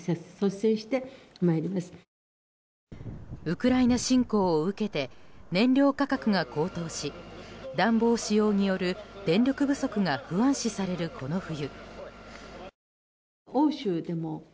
ウクライナ侵攻を受けて燃料価格が高騰し暖房使用による電力不足が不安視されるこの冬。